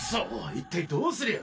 一体どうすりゃ。